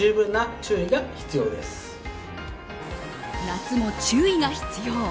夏も注意が必要。